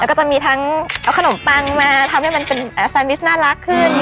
แล้วก็จะมีทั้งเอาขนมปังมาทำให้มันเป็นแซนวิชน่ารักขึ้น